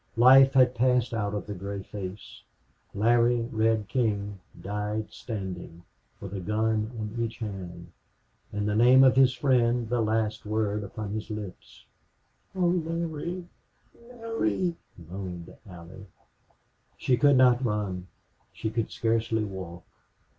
Life had passed out of the gray face. Larry Red King died standing, with a gun in each hand, and the name of his friend the last word upon his lips. "Oh, Larry Larry!" moaned Allie. She could not run. She could scarcely walk.